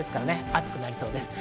暑くなりそうです。